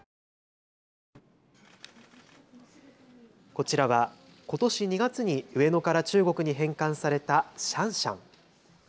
こちらはことし２月に上野から中国に返還されたシャンシャン。